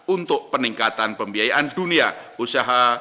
untuk peningkatan pembiayaan dunia usaha